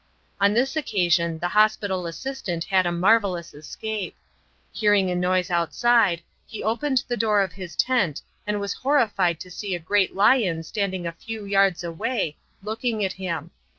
On this occasion the Hospital Assistant had a marvellous escape. Hearing a noise outside, he opened the door of his tent and was horrified to see a great lion standing a few yards away looking at him.